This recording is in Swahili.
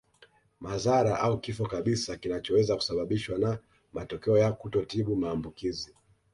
Madhara au kifo kabisa kinachoweza kusababishwa na matokeo ya kutotibu maambukizi